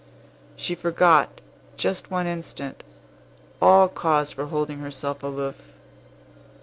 She forgot, just one instant, all cause for holding herself aloof.